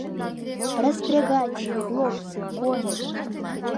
Роспрягайте, хлопцы, кони!..